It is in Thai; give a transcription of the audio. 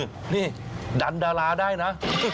นี่ดันดาราได้นะ